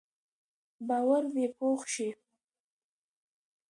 باور دې پوخ شي.